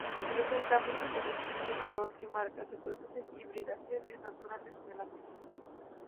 Presenta muchas variaciones de color y marcas; se producen hibridaciones naturales en el ambiente.